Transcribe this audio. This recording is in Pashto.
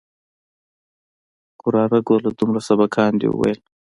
وراره گله دومره سبقان دې وويل.